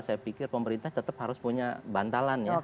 saya pikir pemerintah tetap harus punya bantalan ya